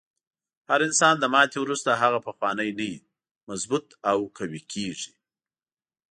هر انسان له ماتې وروسته هغه پخوانی نه وي، مضبوط او قوي کیږي.